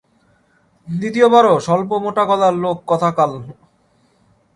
দ্বিতীয় বারও স্বল্প মোটা গলার লোক কথা কাল।